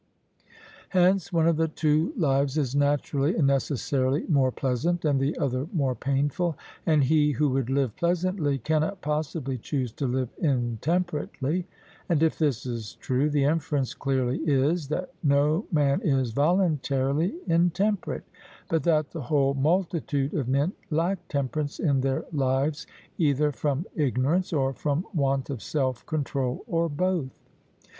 Hence one of the two lives is naturally and necessarily more pleasant and the other more painful, and he who would live pleasantly cannot possibly choose to live intemperately. And if this is true, the inference clearly is that no man is voluntarily intemperate; but that the whole multitude of men lack temperance in their lives, either from ignorance, or from want of self control, or both.